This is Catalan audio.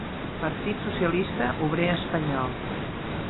Partit Socialista Obrer Espanyol.